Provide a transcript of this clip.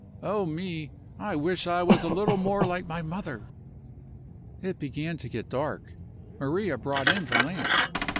Oh, me, I wish I was a little more like my mother! It began to get dark; Maria brought in the lamp.